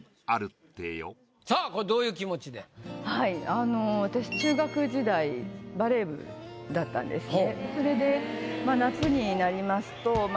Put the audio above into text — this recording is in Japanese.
あの私中学時代バレー部だったんですね。